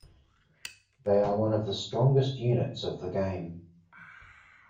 They are one of the strongest units of the game.